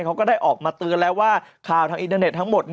เขาก็ได้ออกมาเตือนแล้วว่าข่าวทางอินเทอร์เน็ตทั้งหมด